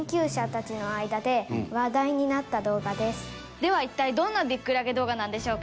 では一体どんなビックラゲ動画なんでしょうか？